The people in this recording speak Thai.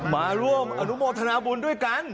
มาร่วมอนุโมทนาบุญด้วยกัน